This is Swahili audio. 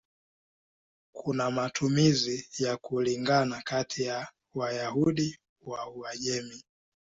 Kuna matumizi ya kulingana kati ya Wayahudi wa Uajemi.